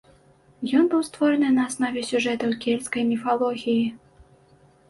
Ён быў створаны на аснове сюжэтаў кельцкай міфалогіі.